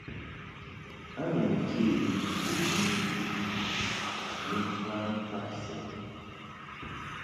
A ni njě bɨwi mvi ni mfa ŋkab sɛ.